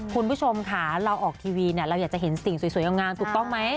คุณผู้ชมค่ะเราออกทีวีเนี่ยเราอยากจะเห็นสิ่งสวยงามถูกต้องไหม